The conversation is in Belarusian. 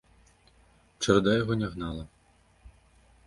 Чарада яго не гнала.